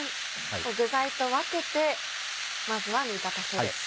具材と分けてまずは煮立たせる。